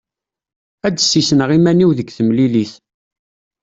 Ad d-ssisneɣ iman-iw deg temlilit.